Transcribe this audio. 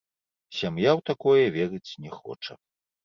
Сям'я ў такое верыць не хоча.